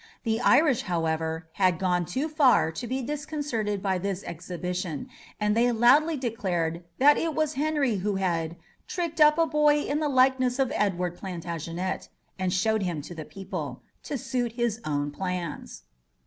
The Irish, however, had gone too far to be disconcerted by this exhibition, and they loudly declared that it was Henry who had "tricked up a boy in the likeness of Edward Plantagenet, and showed him to the people," to suit his own plans.